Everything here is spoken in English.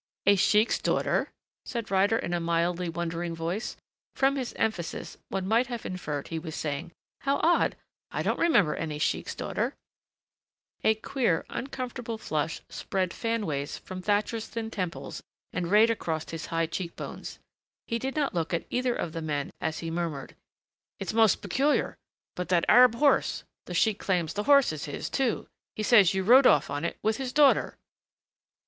"A sheik's daughter ?" said Ryder in a mildly wondering voice. From his emphasis one might have inferred he was saying, "How odd! I don't remember any sheik's daughter " A queer uncomfortable flush spread fanways from Thatcher's thin temples and rayed across his high cheekbones. He did not look at either of the men as he murmured, "It's most peculiar, but that Arab horse the sheik claims the horse is his, too. He says you rode off on it, with his daughter."